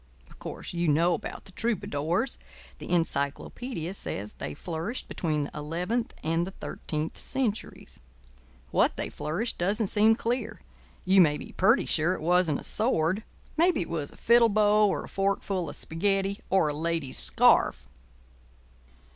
Of course you know about the troubadours. The encyclopædia says they flourished between the eleventh and the thirteenth centuries. What they flourished doesn't seem clear—you may be pretty sure it wasn't a sword: maybe it was a fiddlebow, or a forkful of spaghetti, or a lady's scarf.